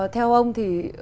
theo ông thì